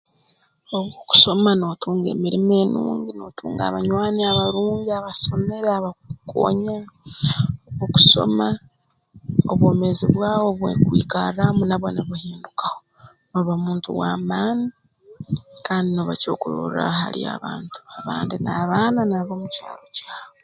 Obu okusoma nootunga emirimo enungi nootunga abanywani abarungi abasomere abakukukoonyera Obu okusoma obwomeezi bwawe obw'okwirraamu nabwo nubuhindukaho nooba muntu w'amaani kandi nooba kyokurorraaho hali ab'abantu abandi n'abaana n'ab'omukyaro kyawe